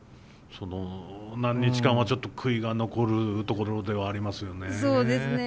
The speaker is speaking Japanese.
その何日間はちょっと悔いが残るところではありますよね。